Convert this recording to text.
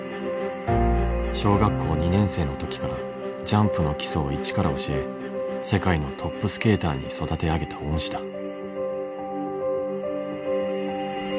小学校２年生の時からジャンプの基礎を一から教え世界のトップスケーターに育て上げた恩師だ。